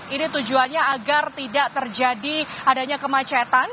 ini tujuannya agar tidak terjadi adanya kemacetan